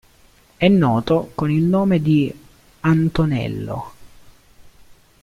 È noto con il nome di "Antonello".